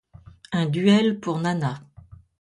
Un duel pour Nana.